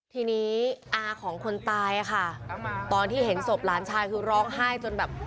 ทีนี้อาของคนตายอะค่ะตอนที่เห็นศพหลานชายคือร้องไห้จนแบบ